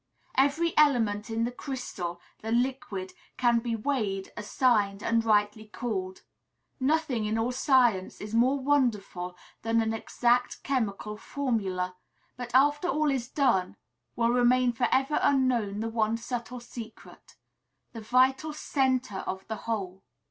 Every element in the crystal, the liquid, can be weighed, assigned, and rightly called; nothing in all science is more wonderful than an exact chemical formula; but, after all is done, will remain for ever unknown the one subtle secret, the vital centre of the whole.